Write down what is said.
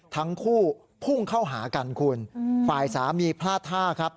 ทั้งคู่พุ่งเข้าหากันคุณฝ่ายสามีพลาดท่าครับ